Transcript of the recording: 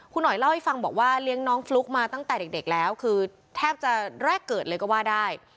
คุณหน่อยเล่าให้ฟังบอกว่าเลี้ยงน้องฟลุ๊กมาตั้งแต่เด็กแล้วคือแทบจะแรกเกิดเลยก็ว่าได้